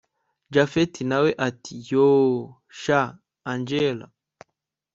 japhet nawe ati yoooh! sha angella